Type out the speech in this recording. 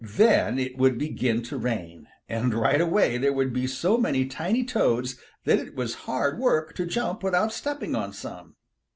Then it would begin to rain, and right away there would be so many tiny Toads that it was hard work to jump without stepping on some.